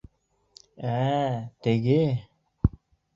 Ә-ә, теге!